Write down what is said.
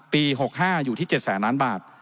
ปี๖๕อยู่ที่๗แสนล้านบาท